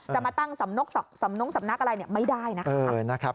แต่มาตั้งสำนุกสำนุกสำนักอะไรเนี่ยไม่ได้นะครับ